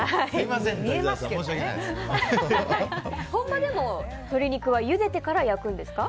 本場でも鶏肉はゆでてから焼くんですか？